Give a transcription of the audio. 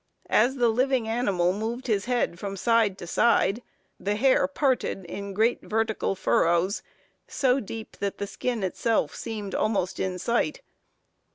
As the living animal moved his head from side to side, the hair parted in great vertical furrows, so deep that the skin itself seemed almost in sight.